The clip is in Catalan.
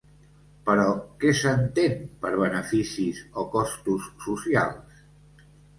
Però, què s'entén per beneficis o costos socials?